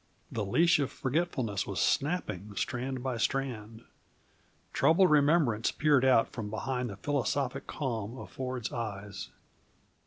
The leash of forgetfulness was snapping, strand by strand. Troubled remembrance peered out from behind the philosophic calm in Ford's eyes.